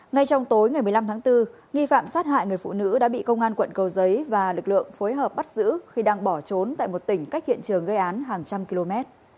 ngay trong tối ngày một mươi năm tháng bốn nghi phạm sát hại người phụ nữ đã bị công an quận cầu giấy và lực lượng phối hợp bắt giữ khi đang bỏ trốn tại một tỉnh cách hiện trường gây án hàng trăm km